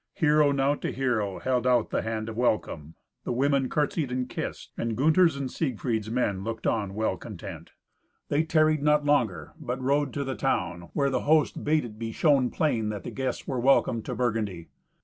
Hero now to hero held out the hand of welcome; the women courtseyed and kissed, and Gunther's and Siegfried's men looked on well content. They tarried not longer, but rode to the town, where the host bade it be shown plain that the guests were welcome to Burgundy.